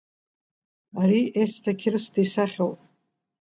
Ари Есҭа Қьрысҭа исахьоуп.